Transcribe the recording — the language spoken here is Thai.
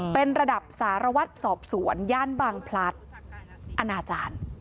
เป็นระดับสารวัตรสอบสวนย่านบางพลัดอนาจารย์